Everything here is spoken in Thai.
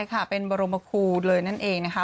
ค่ะเป็นบรมคูณเลยนั่นเองนะคะ